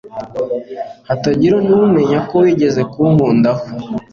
hatagira numenya ko wigeze kunkundaho